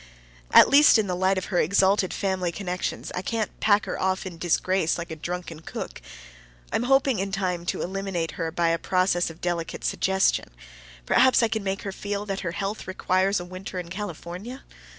At least, in the light of her exalted family connections, I can't pack her off in disgrace like a drunken cook. I am hoping in time to eliminate her by a process of delicate suggestion; perhaps I can make her feel that her health requires a winter in California.